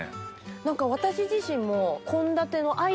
何か私自身も。